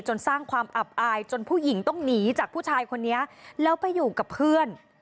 สร้างความอับอายจนผู้หญิงต้องหนีจากผู้ชายคนนี้แล้วไปอยู่กับเพื่อน